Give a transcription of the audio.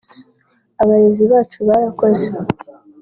abarezi bacu barakoze”